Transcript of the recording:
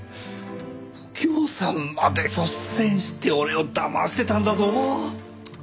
右京さんまで率先して俺をだましてたんだぞ。